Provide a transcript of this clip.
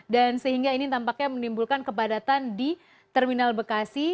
dan sehingga ini tampaknya menimbulkan kepadatan di terminal bekasi